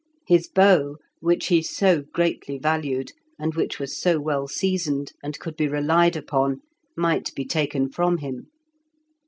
His bow, which he so greatly valued, and which was so well seasoned, and could be relied upon, might be taken from him.